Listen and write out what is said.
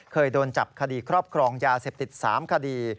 เคยโดนจับคดีครอบครองยาเสพติด๓คดี